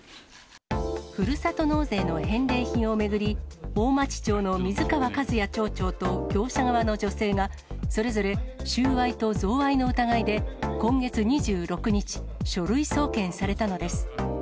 ふるさと納税の返礼品を巡り、大町町の水川一哉町長と業者側の女性が、それぞれ収賄と贈賄の疑いで今月２６日、書類送検されたのです。